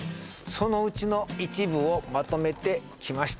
そのうちの一部をまとめてきました